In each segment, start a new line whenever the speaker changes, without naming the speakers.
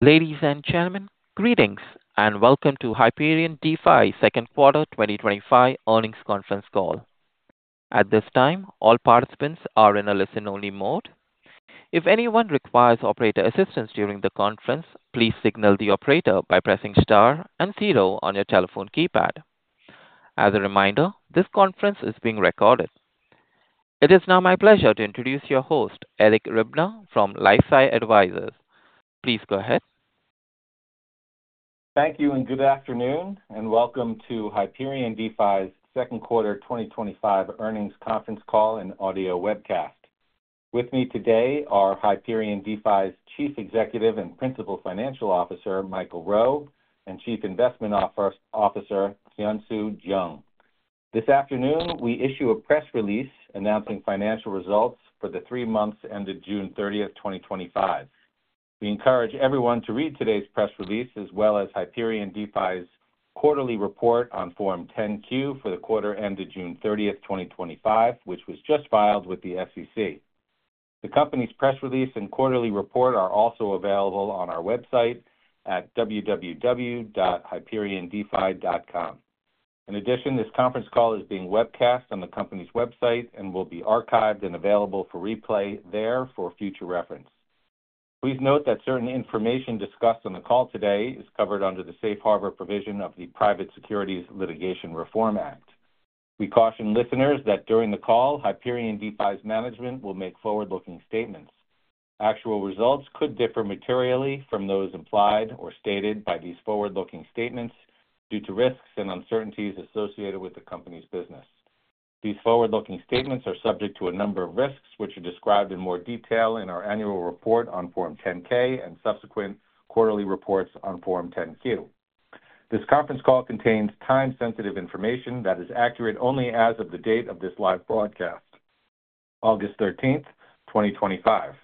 Ladies and gentlemen, greetings and welcome to Hyperion DeFi's Second Quarter 2025 Earnings Conference Call. At this time, all participants are in a listen-only mode. If anyone requires operator assistance during the conference, please signal the operator by pressing star and zero on your telephone keypad. As a reminder, this conference is being recorded. It is now my pleasure to introduce your host, Eric Ribner from LifeSci Advisors. Please go ahead.
Thank you and good afternoon, and welcome to Hyperion DeFi 's Second Quarter 2025 Earnings Conference Call and Audio Webcast. With me today are Hyperion DeFi's Chief Executive and Principal Financial Officer, Michael Rowe, and Chief Investment Officer, Hyunsu Jung. This afternoon, we issued a press release announcing financial results for the three months ended June 30th, 2025. We encourage everyone to read today's press release as well as Hyperion DeFi's quarterly report on Form 10-Q for the quarter ended June 30th, 2025, which was just filed with the SEC. The company's press release and quarterly report are also available on our website at www.hyperiondefi.com. In addition, this conference call is being webcast on the company's website and will be archived and available for replay there for future reference. Please note that certain information discussed on the call today is covered under the Safe Harbor provision of the Private Securities Litigation Reform Act. We caution listeners that during the call, Hyperion DeFi 's management will make forward-looking statements. Actual results could differ materially from those implied or stated by these forward-looking statements due to risks and uncertainties associated with the company's business. These forward-looking statements are subject to a number of risks, which are described in more detail in our annual report on Form 10-K and subsequent quarterly reports on Form 10-Q. This conference call contains time-sensitive information that is accurate only as of the date of this live broadcast, August 13th, 2025.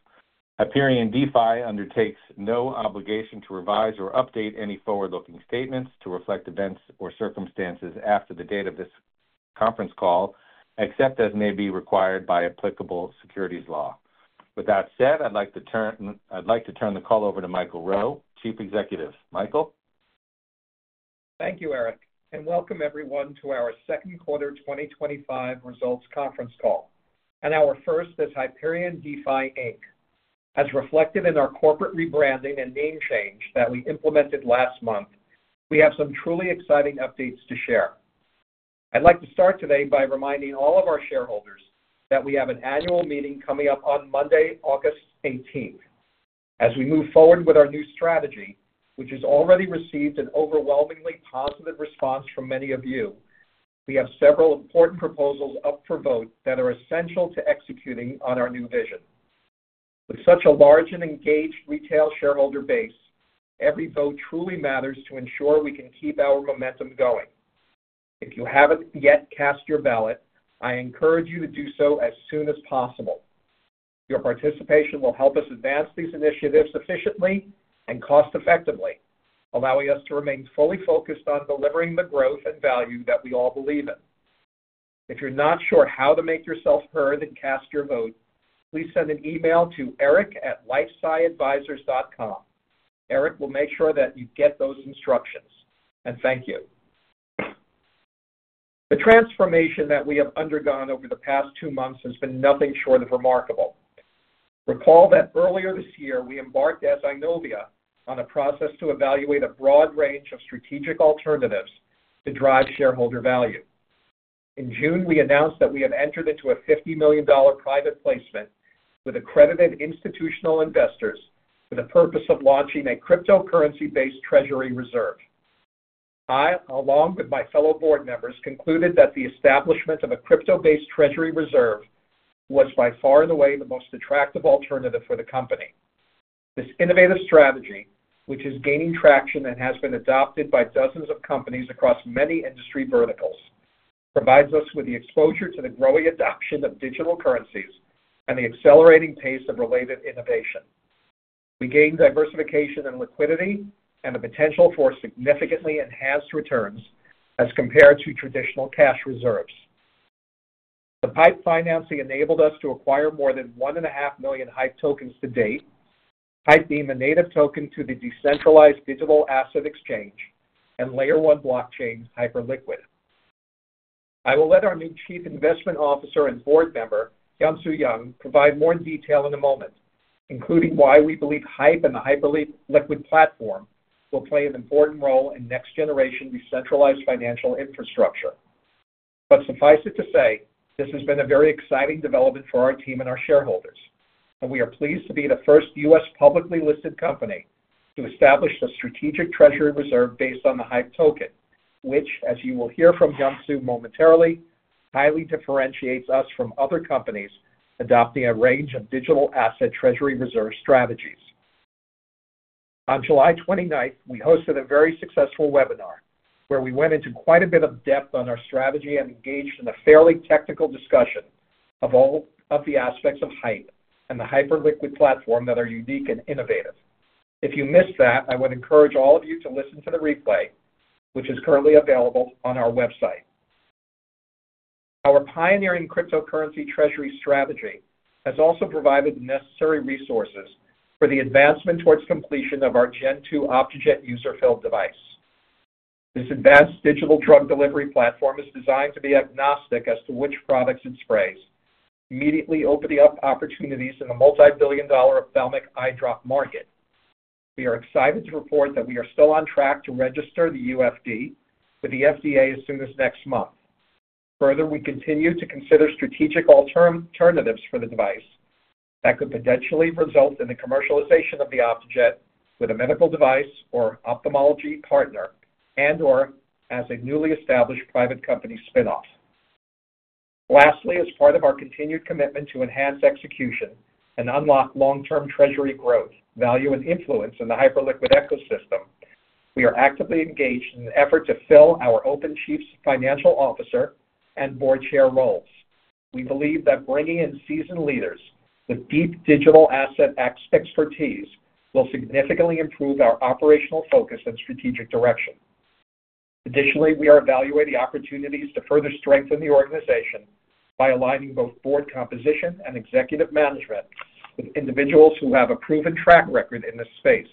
Hyperion DeFi undertakes no obligation to revise or update any forward-looking statements to reflect events or circumstances after the date of this conference call, except as may be required by applicable securities law. With that said, I'd like to turn the call over to Michael Rowe, Chief Executive. Michael?
Thank you, Eric, and welcome everyone to our second quarter 2025 results conference call, and our first as Hyperion DeFi, Inc. As reflected in our corporate rebranding and name change that we implemented last month, we have some truly exciting updates to share. I'd like to start today by reminding all of our shareholders that we have an annual meeting coming up on Monday, August 18th. As we move forward with our new strategy, which has already received an overwhelmingly positive response from many of you, we have several important proposals up for vote that are essential to executing on our new vision. With such a large and engaged retail shareholder base, every vote truly matters to ensure we can keep our momentum going. If you haven't yet cast your ballot, I encourage you to do so as soon as possible. Your participation will help us advance these initiatives efficiently and cost-effectively, allowing us to remain fully focused on delivering the growth and value that we all believe in. If you're not sure how to make yourself heard and cast your vote, please send an email to eric@lifesciadvisors.com. Eric will make sure that you get those instructions, and thank you. The transformation that we have undergone over the past two months has been nothing short of remarkable. Recall that earlier this year, we embarked as Eyenovia on a process to evaluate a broad range of strategic alternatives to drive shareholder value. In June, we announced that we have entered into a $50 million private placement with accredited institutional investors for the purpose of launching a cryptocurrency-based treasury reserve. I, along with my fellow board members, concluded that the establishment of a crypto-based treasury reserve was by far and away the most attractive alternative for the company. This innovative strategy, which is gaining traction and has been adopted by dozens of companies across many industry verticals, provides us with the exposure to the growing adoption of digital currencies and the accelerating pace of related innovation. We gained diversification and liquidity and the potential for significantly enhanced returns as compared to traditional cash reserves. The private placement financing enabled us to acquire more than 1.5 million HYPE tokens to date, HYPE being the native token to the decentralized digital asset exchange and Layer 1 blockchain Hyperliquid. I will let our new Chief Investment Officer and Board Member, Hyunsu Jung, provide more detail in a moment, including why we believe HYPE and the Hyperliquid platform will play an important role in next-generation decentralized financial infrastructure. Suffice it to say, this has been a very exciting development for our team and our shareholders, and we are pleased to be the first U.S. publicly listed company to establish a strategic treasury reserve based on the HYPE token, which, as you will hear from Hyunsu momentarily, highly differentiates us from other companies adopting a range of digital asset treasury reserve strategies. On July 29th, we hosted a very successful webinar where we went into quite a bit of depth on our strategy and engaged in a fairly technical discussion of all of the aspects of HYPE and the Hyperliquid platform that are unique and innovative. If you missed that, I would encourage all of you to listen to the replay, which is currently available on our website. Our pioneering cryptocurrency treasury strategy has also provided the necessary resources for the advancement towards completion of our Gen-2 Optejet User-Filled Device. This advanced digital drug delivery platform is designed to be agnostic as to which products and sprays immediately open up opportunities in the multi-billion dollar ophthalmic eye drop market. We are excited to report that we are still on track to register the UFD with the FDA as soon as next month. Further, we continue to consider strategic alternatives for the device that could potentially result in the commercialization of the Optejet with a medical device or ophthalmology partner and/or as a newly established private company spin-off. Lastly, as part of our continued commitment to enhance execution and unlock long-term treasury growth, value, and influence in the Hyperliquid ecosystem, we are actively engaged in an effort to fill our open Chief Financial Officer and Board Chair roles. We believe that bringing in seasoned leaders with deep digital asset expertise will significantly improve our operational focus and strategic direction. Additionally, we are evaluating opportunities to further strengthen the organization by aligning both board composition and executive management with individuals who have a proven track record in this space.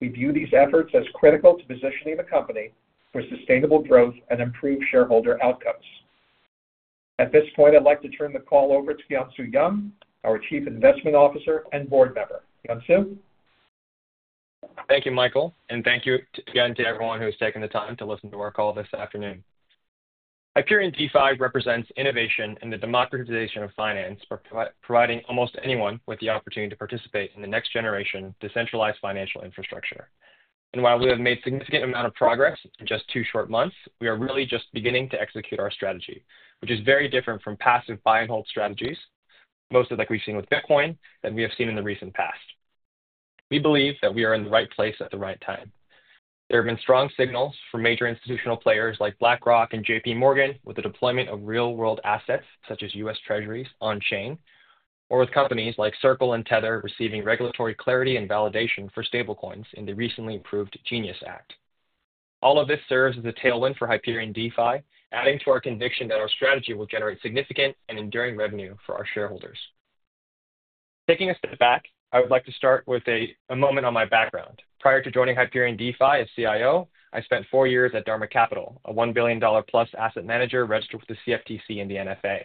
We view these efforts as critical to positioning the company for sustainable growth and improved shareholder outcomes. At this point, I'd like to turn the call over to Hyunsu Jung, our Chief Investment Officer and Board Member. Hyunsu?
Thank you, Michael, and thank you again to everyone who has taken the time to listen to our call this afternoon. Hyperion DeFi represents innovation in the democratization of finance, providing almost anyone with the opportunity to participate in the next-generation decentralized financial infrastructure. While we have made a significant amount of progress in just two short months, we are really just beginning to execute our strategy, which is very different from passive buy-and-hold strategies, mostly like we've seen with Bitcoin that we have seen in the recent past. We believe that we are in the right place at the right time. There have been strong signals from major institutional players like BlackRock and JPMorgan with the deployment of real-world assets such as U.S. Treasury's on-chain, or with companies like Circle and Tether receiving regulatory clarity and validation for stablecoins in the recently approved Genius Act. All of this serves as a tailwind for Hyperion DeFi, adding to our conviction that our strategy will generate significant and enduring revenue for our shareholders. Taking a step back, I would like to start with a moment on my background. Prior to joining Hyperion DeFi as CIO, I spent four years at Dharma Capital, a $1+ billion asset manager registered with the CFTC and the NFA.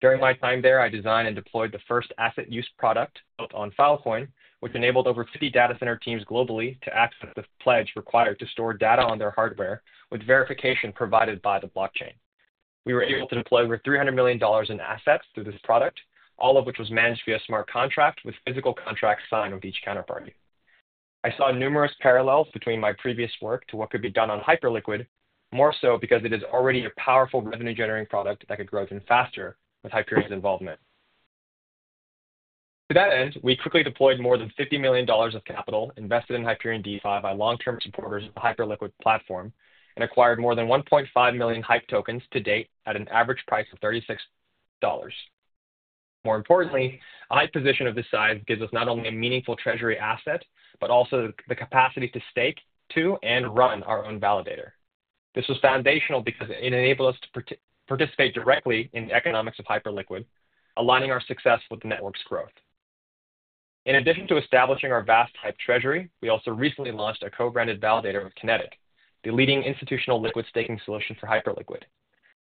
During my time there, I designed and deployed the first asset use product built on Filecoin, which enabled over 50 data center teams globally to access the pledge required to store data on their hardware with verification provided by the blockchain. We were able to deploy over $300 million in assets through this product, all of which was managed via smart contract with physical contracts signed with each counterparty. I saw numerous parallels between my previous work to what could be done on Hyperliquid, more so because it is already a powerful revenue-generating product that could grow even faster with Hyperion's involvement. To that end, we quickly deployed more than $50 million of capital invested in Hyperion DeFi by long-term supporters of the Hyperliquid platform and acquired more than 1.5 million HYPE tokens to date at an average price of $36. More importantly, a HYPE position of this size gives us not only a meaningful treasury asset, but also the capacity to stake to and run our own validator. This was foundational because it enabled us to participate directly in the economics of Hyperliquid, aligning our success with the network's growth. In addition to establishing our vast HYPE treasury, we also recently launched a co-branded validator with Kinetic, the leading institutional liquid staking solution for Hyperliquid.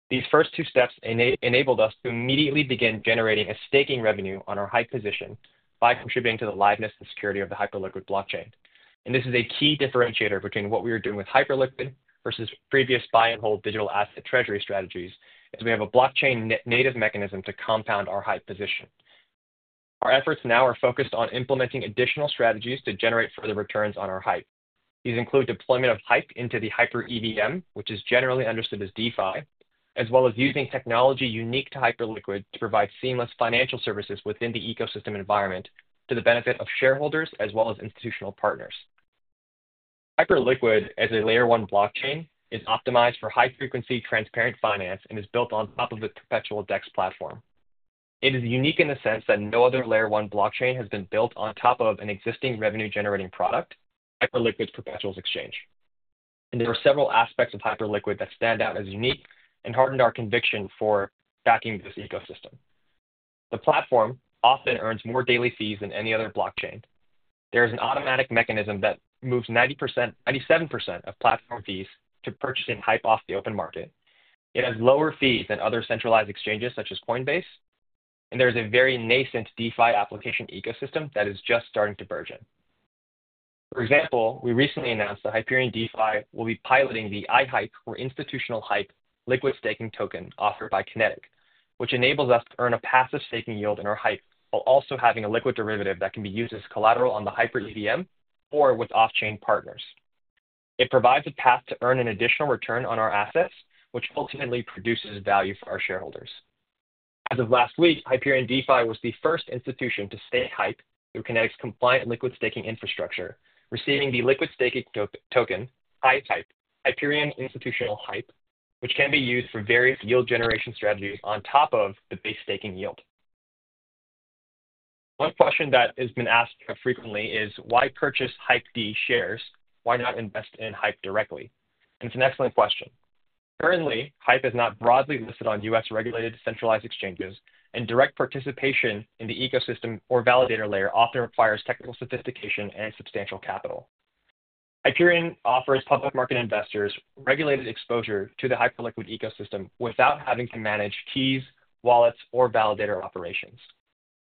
These first two steps enabled us to immediately begin generating a staking revenue on our HYPE position by contributing to the liveness and security of the Hyperliquid blockchain. This is a key differentiator between what we are doing with Hyperliquid versus previous buy-and-hold digital asset treasury strategies, as we have a blockchain-native mechanism to compound our HYPE position. Our efforts now are focused on implementing additional strategies to generate further returns on our HYPE. These include deployment of HYPE into the HyperEVM, which is generally understood as DeFi, as well as using technology unique to Hyperliquid to provide seamless financial services within the ecosystem environment to the benefit of shareholders as well as institutional partners. Hyperliquid, as a Layer 1 blockchain, is optimized for high-frequency transparent finance and is built on top of the Perpetual DEX platform. It is unique in the sense that no other Layer 1 blockchain has been built on top of an existing revenue-generating product, Hyperliquid's Perpetual Exchange. There are several aspects of Hyperliquid that stand out as unique and hardened our conviction for backing this ecosystem. The platform often earns more daily fees than any other blockchain. There is an automatic mechanism that moves 97% of platform fees to purchasing HYPE off the open market. It has lower fees than other centralized exchanges such as Coinbase, and there is a very nascent DeFi application ecosystem that is just starting to burgeon. For example, we recently announced that Hyperion DeFi will be piloting the iHYPE, or Institutional Hype, liquid staking token offered by Kinetiq, which enables us to earn a passive staking yield in our HYPE while also having a liquid derivative that can be used as collateral on the HyperEVM or with off-chain partners. It provides a path to earn an additional return on our assets, which ultimately produces value for our shareholders. As of last week, Hyperion DeFi was the first institution to stake HYPE through Kinetiq's compliant liquid staking infrastructure, receiving the liquid staking token iHYPE, Hyperion Institutional Hype, which can be used for various yield generation strategies on top of the base staking yield. One question that has been asked frequently is, why purchase HYPE D shares? Why not invest in HYPE directly? It's an excellent question. Currently, HYPE is not broadly listed on U.S. regulated centralized exchanges, and direct participation in the ecosystem or validator layer often requires technical sophistication and substantial capital. Hyperion offers public market investors regulated exposure to the Hyperliquid ecosystem without having to manage keys, wallets, or validator operations.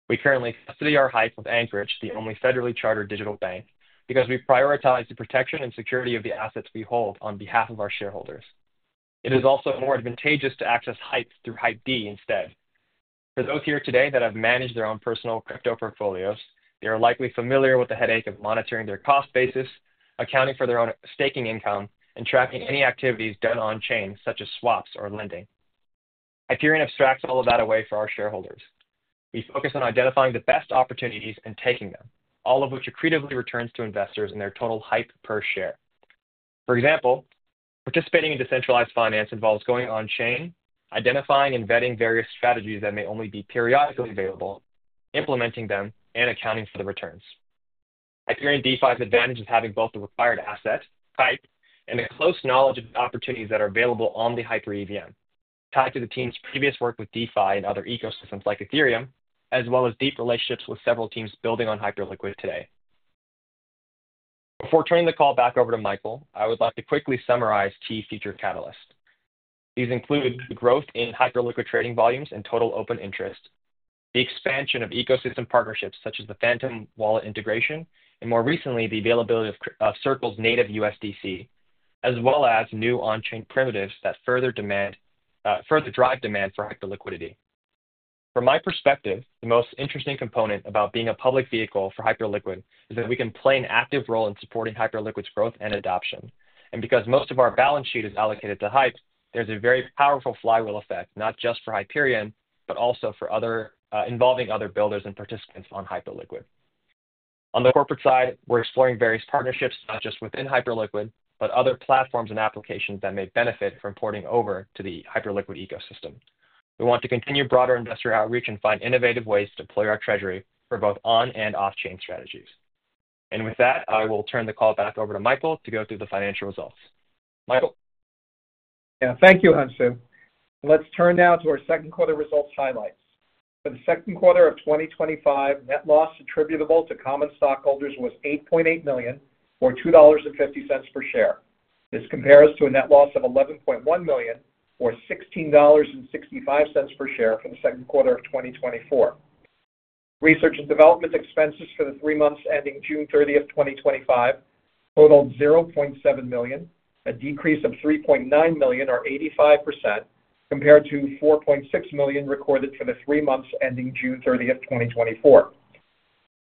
We currently custody our HYPE with Anchorage, the only federally chartered digital bank, because we prioritize the protection and security of the assets we hold on behalf of our shareholders. It is also more advantageous to access HYPE through HYPE D instead. For those here today that have managed their own personal crypto portfolios, they are likely familiar with the headache of monitoring their cost basis, accounting for their own staking income, and tracking any activities done on-chain, such as swaps or lending. Hyperion abstracts all of that away for our shareholders. We focus on identifying the best opportunities and taking them, all of which accretively returns to investors in their total HYPE per share. For example, participating in decentralized finance involves going on-chain, identifying and vetting various strategies that may only be periodically available, implementing them, and accounting for the returns. Hyperion DeFi's advantage is having both the required asset, HYPE, and a close knowledge of the opportunities that are available on the HyperEVM, tied to the team's previous work with DeFi and other ecosystems like Ethereum, as well as deep relationships with several teams building on Hyperliquid today. Before turning the call back over to Michael, I would like to quickly summarize key feature catalysts. These include the growth in Hyperliquid trading volumes and total open interest, the expansion of ecosystem partnerships such as the Phantom Wallet integration, and more recently, the availability of Circle's native USDC, as well as new on-chain primitives that further drive demand for Hyperliquidity. From my perspective, the most interesting component about being a public vehicle for Hyperliquid is that we can play an active role in supporting Hyperliquid's growth and adoption. Because most of our balance sheet is allocated to HYPE, there's a very powerful flywheel effect, not just for Hyperion, but also for others involving other builders and participants on Hyperliquid. On the corporate side, we're exploring various partnerships, not just within Hyperliquid, but other platforms and applications that may benefit from porting over to the Hyperliquid ecosystem. We want to continue broader industrial outreach and find innovative ways to deploy our treasury for both on and off-chain strategies. With that, I will turn the call back over to Michael to go through the financial results. Michael?
Thank you, Hyunsu. Let's turn now to our second quarter results highlights. For the second quarter of 2025, net loss attributable to common stockholders was $8.8 million, or $2.50 per share. This compares to a net loss of $11.1 million, or $16.65 per share for the second quarter of 2024. Research and development expenses for the three months ending June 30th, 2025, totaled $700,000, a decrease of $3.9 million, or 85%, compared to $4.6 million recorded for the three months ending June 30th, 2024.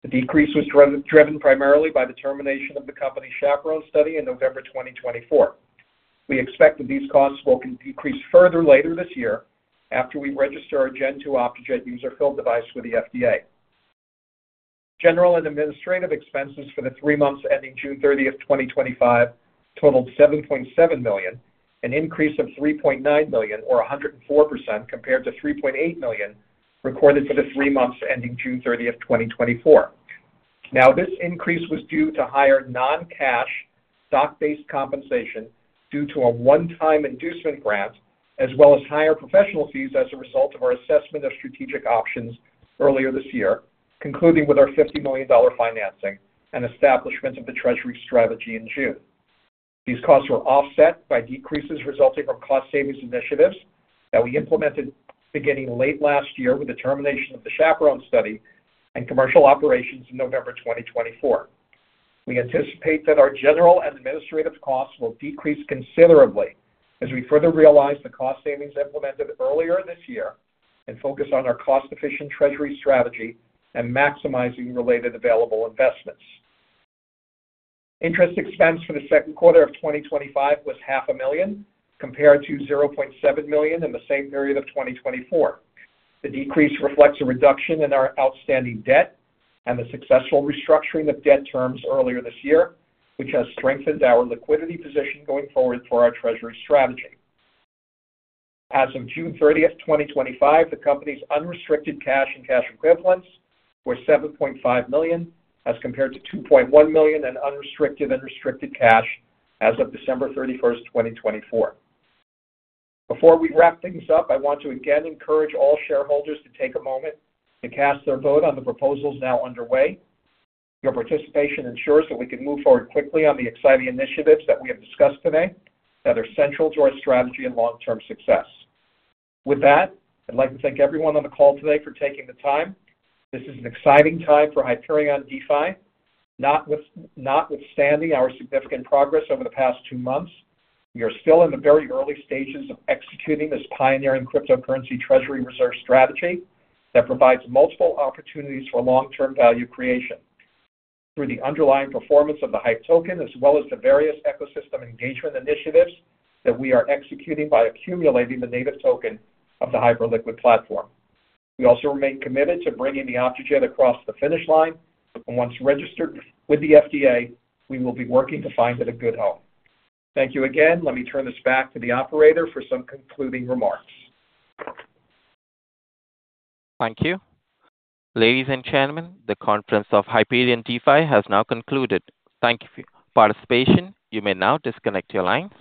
The decrease was driven primarily by the termination of the company's CHAPERONE Study in November 2024. We expect that these costs will decrease further later this year after we register our Gen-2 Optejet User-Filled Device with the FDA. General and administrative expenses for the three months ending June 30th, 2025, totaled $7.7 million, an increase of $3.9 million, or 104%, compared to $3.8 million recorded for the three months ending June 30th, 2024. This increase was due to higher non-cash stock-based compensation due to a one-time inducement grant, as well as higher professional fees as a result of our assessment of strategic options earlier this year, concluding with our $50 million financing and establishment of the treasury strategy in June. These costs were offset by decreases resulting from cost savings initiatives that we implemented beginning late last year with the termination of the CHAPERONE Study and commercial operations in November 2024. We anticipate that our general and administrative costs will decrease considerably as we further realize the cost savings implemented earlier this year and focus on our cost-efficient treasury strategy and maximizing related available investments. Interest expense for the second quarter of 2025 was $500,000, compared to $700,000 in the same period of 2024. The decrease reflects a reduction in our outstanding debt and the successful restructuring of debt terms earlier this year, which has strengthened our liquidity position going forward for our treasury strategy. As of June 30th, 2025, the company's unrestricted cash and cash equivalents were $7.5 million as compared to $2.1 million in unrestricted and restricted cash as of December 31st, 2024. Before we wrap things up, I want to again encourage all shareholders to take a moment to cast their vote on the proposals now underway. Your participation ensures that we can move forward quickly on the exciting initiatives that we have discussed today that are central to our strategy and long-term success. With that, I'd like to thank everyone on the call today for taking the time. This is an exciting time for Hyperion DeFi, notwithstanding our significant progress over the past two months. We are still in the very early stages of executing this pioneering cryptocurrency treasury reserve strategy that provides multiple opportunities for long-term value creation through the underlying performance of the HYPE token, as well as the various ecosystem engagement initiatives that we are executing by accumulating the native token of the Hyperliquid platform. We also remain committed to bringing the Optejet across the finish line, and once registered with the FDA, we will be working to find it a good home. Thank you again. Let me turn this back to the operator for some concluding remarks.
Thank you. Ladies and gentlemen, the conference of Hyperion DeFi has now concluded. Thank you for your participation. You may now disconnect your line.